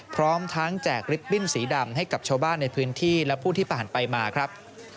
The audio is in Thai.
พร้อมทั้งแจกลิฟตบิ้นสีดำให้กับชาวบ้านในพื้นที่และผู้ที่ผ่านไปมาครับ